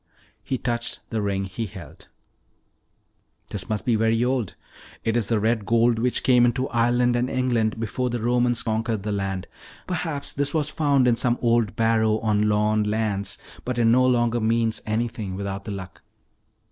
He touched the ring he held. "This must be very old. It's the red gold which came into Ireland and England before the Romans conquered the land. Perhaps this was found in some old barrow on Lorne lands. But it no longer means anything without the Luck."